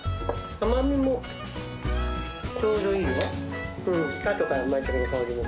甘みもちょうどいいよ。